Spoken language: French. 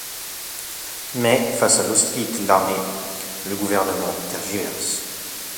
Mais face à l’hostilité de l’armée, le gouvernement tergiverse.